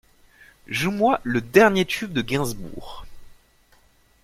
Joue moi le dernier tube de Gainsbourg.